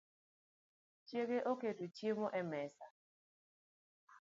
Chiege oketo chiemo e mesa